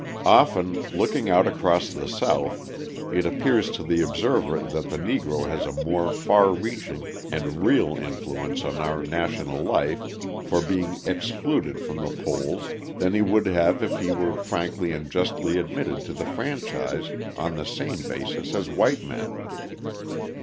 Often, looking out across the South, it appears to the observer that the Negro has a more far reaching and real influence on our national life for being excluded from the polls than he would have if he were frankly and justly admitted to the franchise on the same basis as white men.